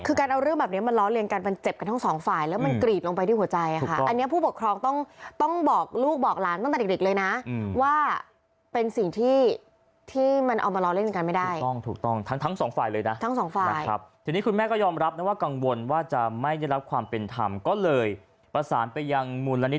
คือการเอาเรื่องแบบนี้มาล้อเลี่ยงกันมันเจ็บกันทั้ง